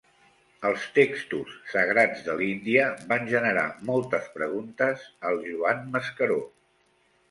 Els textos sagrats de l'Índia van generar moltes preguntes al Joan Mascaró